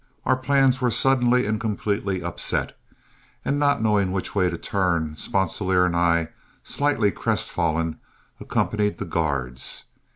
Our plans were suddenly and completely upset, and not knowing which way to turn, Sponsilier and I, slightly crestfallen, accompanied the guards.